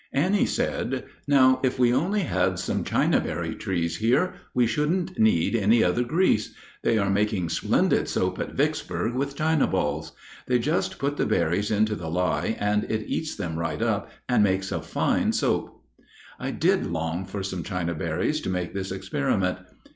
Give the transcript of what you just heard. Annie said: "Now if we only had some china berry trees here, we shouldn't need any other grease. They are making splendid soap at Vicksburg with china balls. They just put the berries into the lye and it eats them right up and makes a fine soap." I did long for some china berries to make this experiment.